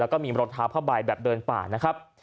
แล้วก็มีรองเท้าผ้าใบแบบเดินป่านะครับ